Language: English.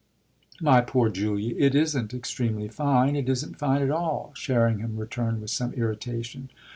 "My poor Julia, it isn't extremely fine; it isn't fine at all," Sherringham returned with some irritation.